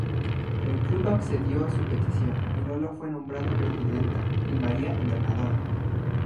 El club accedió a su petición y Lola fue nombrada presidenta y María entrenadora.